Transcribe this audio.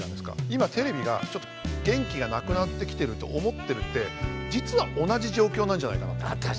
今テレビがちょっと元気がなくなってきてると思ってるって実は同じ状況なんじゃないかなと思って。